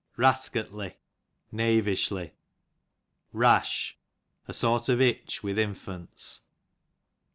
Rascotly, knavishly. Rash, a sort of itch with infants.